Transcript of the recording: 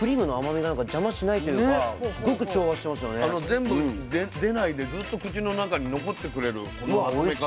全部出ないでずっと口の中に残ってくれるこの食べ方。